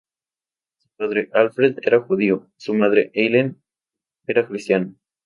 Su padre, Alfred, era judío, y su madre, Eileen, era cristiana.